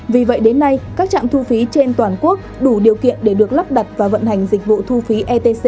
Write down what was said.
vì vậy đến nay các trạm thu phí trên toàn quốc đủ điều kiện để được lắp đặt và vận hành dịch vụ thu phí etc